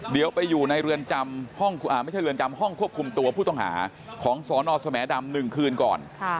เดี๋ยวไปอยู่ในห้องควบคุมตัวผู้ต้องหาของสนสด๑คืนก่อน